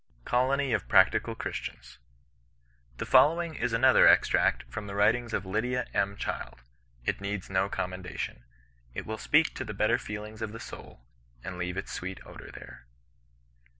COLOKT OF PBAOTIOAL CHBISTIAKS. The following is another extract from the writings of Lydia, M, Child. It needs no commendation. It wOl OHEISTIAN KON BESISTAKOE. 155 speak to the better feelings of the soul, and leave its sweet odour there.